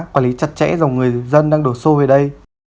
quản lý chặt chẽ dòng người dân đang đổ xô về đây